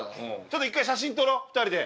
ちょっと１回写真撮ろう２人で。